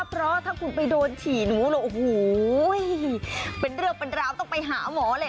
เพราะถ้าคุณไปโดนฉี่หนูโอ้โหเป็นเรื่องเป็นราวต้องไปหาหมอเลย